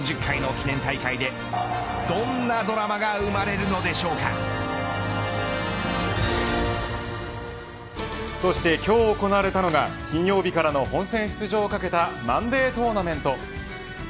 ４０回の記念大会でどんなドラマがそして今日行われたのが金曜日からの本戦出場をかけたマンデートーナメント。